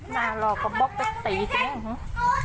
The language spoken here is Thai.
น่ารอกกระบ๊อกไปตีกันเนี่ยหรอ